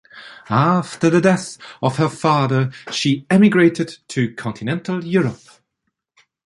After the death of her father she emigrated to continental Europe.